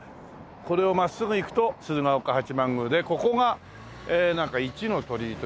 これを真っすぐ行くと鶴岡八幡宮でここがなんか一ノ鳥居という事で。